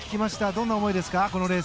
どんな思いですか？